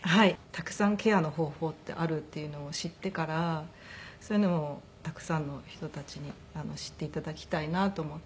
たくさんケアの方法ってあるっていうのを知ってからそういうのをたくさんの人たちに知って頂きたいなと思って。